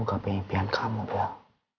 gapai impian kamu bel